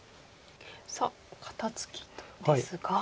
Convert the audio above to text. さあ肩ツキですが。